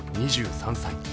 ２３歳。